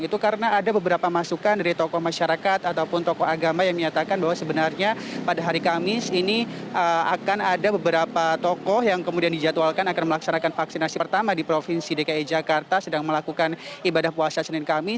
itu karena ada beberapa masukan dari tokoh masyarakat ataupun tokoh agama yang menyatakan bahwa sebenarnya pada hari kamis ini akan ada beberapa tokoh yang kemudian dijadwalkan akan melaksanakan vaksinasi pertama di provinsi dki jakarta sedang melakukan ibadah puasa senin kamis